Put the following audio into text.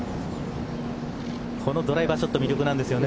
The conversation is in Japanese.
このドライバーショット魅力なんですよね。